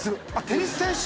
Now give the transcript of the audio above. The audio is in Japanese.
テニス選手？